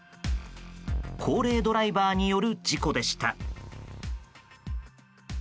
高齢ドライバーによる事故でした。